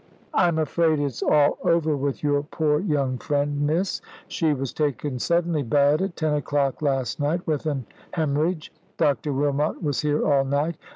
"I'm afraid it's all over with your poor young friend, Miss. She was taken suddenly bad at ten o'clock last night with an hæmorrhage. Dr. Wilmot was here all night.